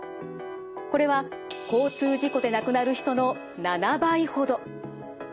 これは交通事故で亡くなる人の７倍ほど。